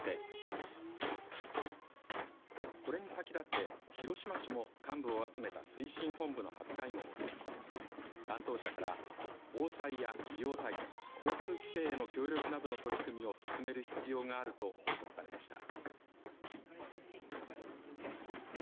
これに先立って広島市も幹部を集めた推進本部の初会合を開き、担当者から防災や医療対策、交通規制の強力などの取り組みを進める必要があると報告されました。